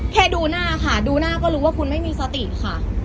แค่ดูหน้าค่ะดูหน้าก็รู้ว่าคุณไม่มีสติค่ะ